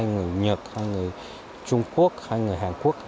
người nhật người trung quốc người hàn quốc